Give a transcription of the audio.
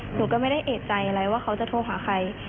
หนูก็ไม่ได้เอกใจอะไรว่าเขาจะโทรหาใคร